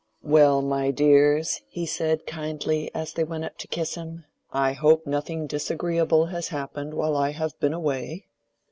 "Well, my dears," he said, kindly, as they went up to kiss him, "I hope nothing disagreeable has happened while I have been away."